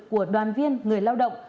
của đoàn viên người lao động